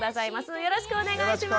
よろしくお願いします。